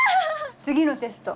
次のテスト。